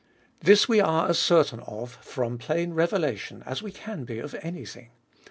This we are as certain of, froin plain revelation', as we can be of any thing.